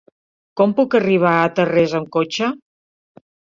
Com puc arribar a Tarrés amb cotxe?